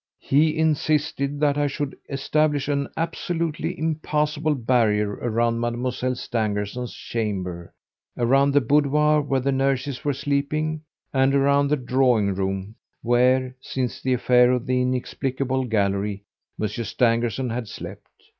He insisted that I should establish an absolutely impassable barrier around Mademoiselle Stangerson's chamber, around the boudoir where the nurses were sleeping, and around the drawing room where, since the affair of the inexplicable gallery, Monsieur Stangerson had slept.